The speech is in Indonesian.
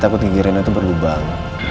tapi saya takut gigi rena itu berlubang